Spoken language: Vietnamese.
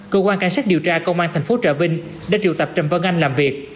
cơ quan cảnh sát điều tra công an tp trà vinh đã triệu tập trầm vân anh làm việc